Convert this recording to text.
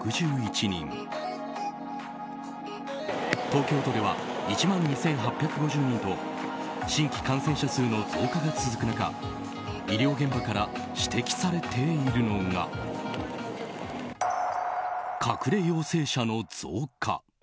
東京都では１万２８５０人と新規感染者数の増加が続く中医療現場から指摘されているのが隠れ陽性者の増加。